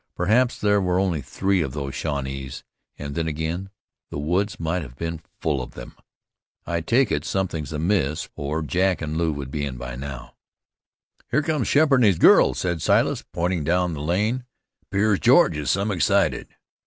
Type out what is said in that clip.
Perhaps there were only three of those Shawnees, and then again the woods might have been full of them. I take it something's amiss, or Jack and Lew would be in by now." "Here come Sheppard and his girl," said Silas, pointing down the lane. "'Pears George is some excited."